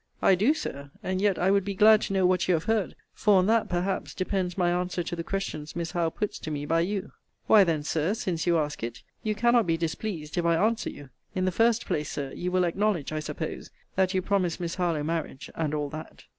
I do, Sir; and yet I would be glad to know what you have heard: for on that, perhaps, depends my answer to the questions Miss Howe puts to me by you. Why then, Sir, since you ask it, you cannot be displeased if I answer you: in the first place, Sir, you will acknowledge, I suppose, that you promised Miss Harlowe marriage, and all that?